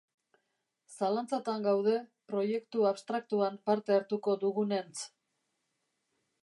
Zalantzatan gaude proiektu abstraktuan parte hartuko dugunentz.